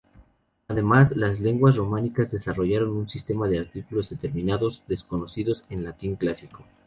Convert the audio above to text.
Además, las lenguas románicas desarrollaron un sistema de artículos determinados, desconocidos en latín clásico.